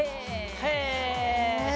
へえ。